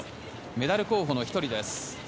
メダル候補の１人です。